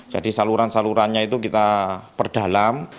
jadi saluran salurannya itu kita perdalam